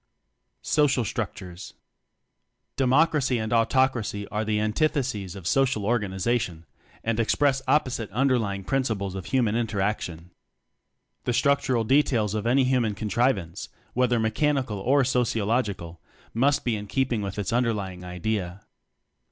Social Structures. Democracy and Autocracy are the antitheses of social organization and express opposite underlying principles of human interaction. The structural details of any human contrivance whether Mechanical or Sociological must be in keeping with its underlying idea.